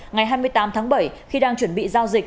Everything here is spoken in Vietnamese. ngày hai mươi tám tháng bảy khi đang chuẩn bị giao dịch